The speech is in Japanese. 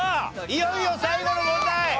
いよいよ最後の問題！